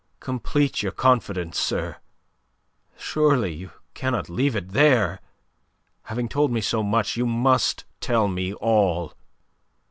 Complete your confidence, sir. Surely you cannot leave it there. Having told me so much, you must tell me all."